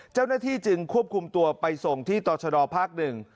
เจ้าหน้าที่จึงควบคุมตัวไปส่งที่ต่อชะดอภาคหนึ่ง